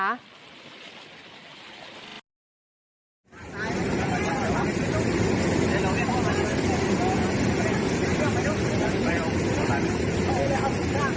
สวัสดีครับ